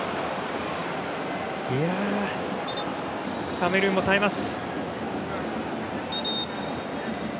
カメルーンも耐えます。